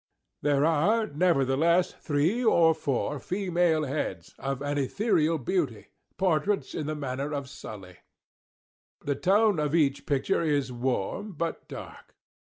There are, nevertheless, three or four female heads, of an ethereal beauty portraits in the manner of Sully. The tone of each picture is warm, but dark.